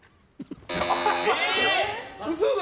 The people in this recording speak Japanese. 嘘だ！